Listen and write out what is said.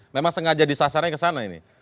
memang sengaja disasarannya kesana ini